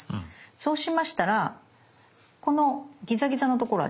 そうしましたらこのギザギザのところありますよね。